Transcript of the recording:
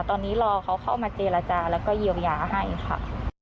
ตอนนี้รอเขาเข้ามาเจรจาแล้วก็เยียวยาให้ค่ะ